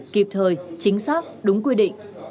kịp thời chính xác đúng quy định